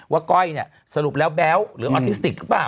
ก้อยเนี่ยสรุปแล้วแบ๊วหรือออทิสติกหรือเปล่า